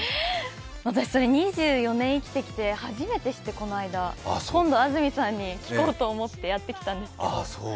私、それ２４年生きてきて、初めて知って、この間。今度、安住さんに聞こうと思ってやってきたんです。